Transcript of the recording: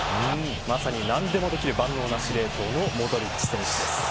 まさに、何でもできる万能な司令塔のモドリッチ選手。